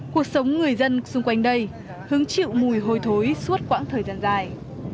cuộc sống người dân xung quanh đây hứng chịu mùi hôi thối suốt quãng thời gian dài